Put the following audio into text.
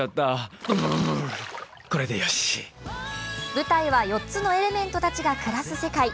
舞台は４つのエレメントたちが暮らす世界。